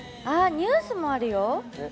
ニュースもあるよ。